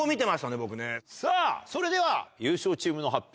さぁそれでは優勝チームの発表